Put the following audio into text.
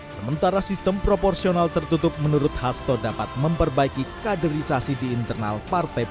sementara sistem proporsional tertutup menurut hasto dapat memperbaiki kaderisasi di internal partai politik